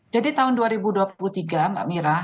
jadi tahun dua ribu dua puluh tiga mbak mira